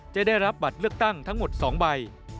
จะได้รับบัตรเลือกตั้งทั้งหมด๒ใบ